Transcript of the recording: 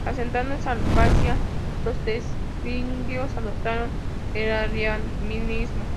Asentados en Dacia, los tervingios adoptaron el arrianismo.